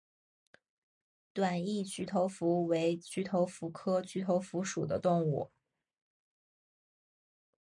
短翼菊头蝠为菊头蝠科菊头蝠属的动物。